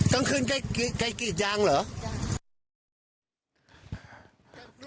ต้องขึ้นไกลกรีดยางเหรอ